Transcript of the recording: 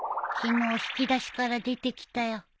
昨日引き出しから出てきたよ。